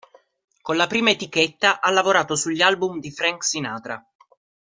Con la prima etichetta ha lavorato sugli album di Frank Sinatra.